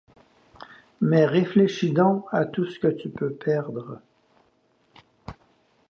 Mais réfléchis donc à tout ce que tu peux perdre.